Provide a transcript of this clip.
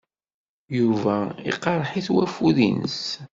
Yuba iqerḥi-t wafud-ines.